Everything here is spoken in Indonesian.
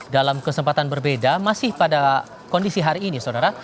dalam kesempatan berbeda masih pada kondisi hari ini saudara